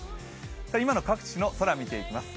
今の各地の空を見ていきます。